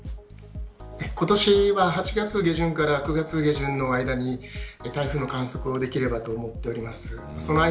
今年は８月下旬から９月下旬の間に台風の観測をできればと思っております。